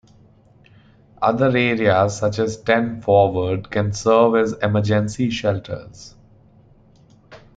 Other areas, such as Ten Forward, can serve as emergency shelters.